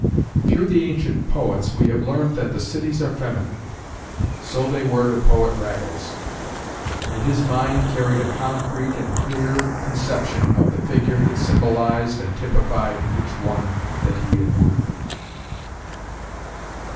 Through the ancient poets we have learned that the cities are feminine. So they were to poet Raggles; and his mind carried a concrete and clear conception of the figure that symbolized and typified each one that he had wooed.